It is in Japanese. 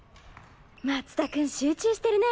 松田君集中してるね。